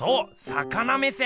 魚目線！